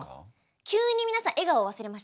急に皆さん笑顔忘れましたね。